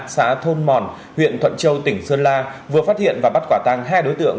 xã thôn mòn huyện thuận châu tỉnh sơn la vừa phát hiện và bắt quả tăng hai đối tượng